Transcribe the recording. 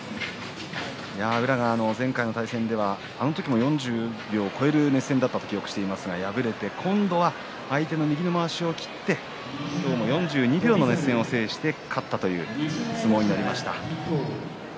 宇良、前回の対戦ではあの時も４０秒を超える熱戦だったと記憶していますが敗れて今度は相手の右のまわしを切って熱戦を制して勝ったという相撲でした。